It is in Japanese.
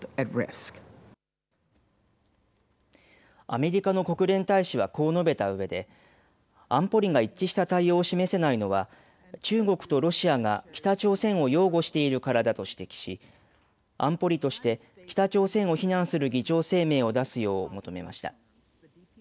アメリカの国連大使はこう述べたうえで安保理が一致した対応を示せないのは中国とロシアが北朝鮮を擁護しているからだと指摘し、安保理として北朝鮮を非難する議長声明を出すよう求めました。